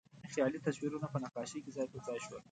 خیالي تصویرونه په نقاشۍ کې ځای پر ځای شول.